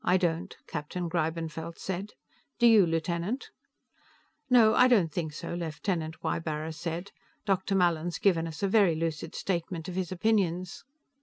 "I don't," Captain Greibenfeld said. "Do you, Lieutenant?" "No, I don't think so," Lieutenant Ybarra said. "Dr. Mallin's given us a very lucid statement of his opinions."